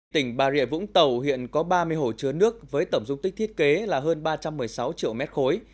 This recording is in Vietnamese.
tỉnh bà rịa vũng tàu hiện có ba mươi hồ chứa nước với tổng dung tích thiết kế là hơn ba trăm một mươi sáu triệu mét khối